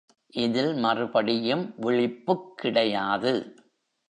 இதில் மறுபடியும் விழிப்புக் கிடையாது.